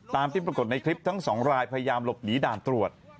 ตามที่ปรากฏในคลิปทั้งสองรายพยายามหลบหนีด่านตรวจ